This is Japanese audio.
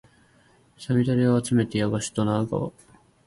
五月雨をあつめてやばしドナウ川